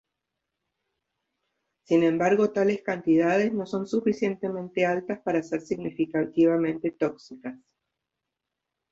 Sin embargo, tales cantidades no son suficientemente altas para ser significativamente tóxicas.